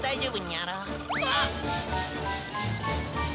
あっ！